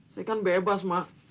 saya kan bebas mak